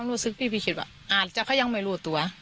คับรถซึกพี่พี่คิดว่าอ่าแต่เขายังไม่ลวดตัว